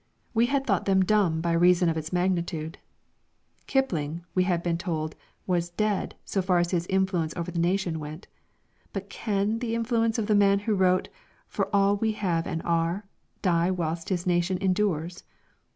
We had thought them dumb by reason of its magnitude. Kipling, we had been told, was "dead," so far as his influence over the nation went; but can the influence of the man who wrote "For all we have and are" die whilst his nation endures?